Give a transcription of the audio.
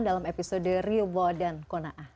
dalam episode ridho dan kona'ah